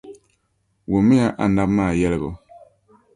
wummiya anabi maa yɛligu.